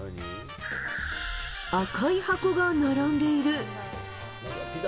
赤い箱が並んでいる。